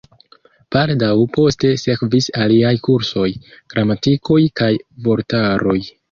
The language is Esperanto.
Baldaŭ poste sekvis aliaj kursoj, gramatikoj kaj vortaroj.